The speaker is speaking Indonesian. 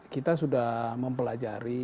kita sudah mempelajari